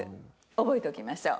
覚えておきましょう。